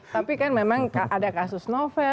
tapi kan memang ada kasus novel